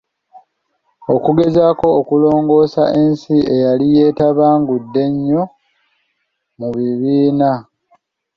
Okugezaako okulongoosa ensi eyali yeetabangudde ennyo mu bibiina.